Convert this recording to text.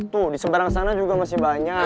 tuh di seberang sana juga masih banyak